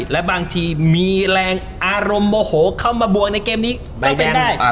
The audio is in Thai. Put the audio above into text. และบางทีมีแรงอารมณ์โมโหเข้ามาบวกในเกมนี้ก็เป็นได้